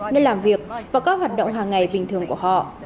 nơi làm việc và các hoạt động hàng ngày bình thường của họ